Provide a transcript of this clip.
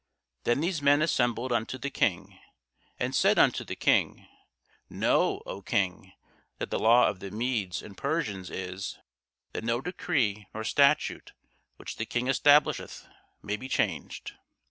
Then these men assembled unto the King, and said unto the King, Know, O King, that the law of the Medes and Persians is, That no decree nor statute which the King establisheth may be changed.